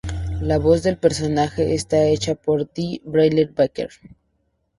La voz del personaje está hecha por Dee Bradley Baker.